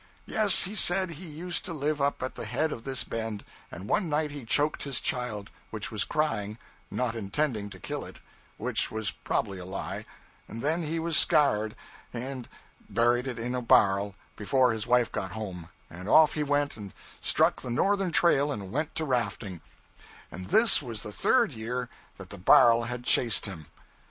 Yes, he said he used to live up at the head of this bend, and one night he choked his child, which was crying, not intending to kill it, which was prob'ly a lie, and then he was scared, and buried it in a bar'l, before his wife got home, and off he went, and struck the northern trail and went to rafting; and this was the third year that the bar'l had chased him.